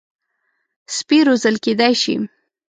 سپي روزل کېدای شي.